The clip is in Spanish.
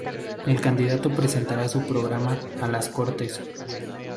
El candidato presentará su programa a las Cortes.